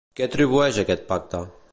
Què atribueix a aquest pacte?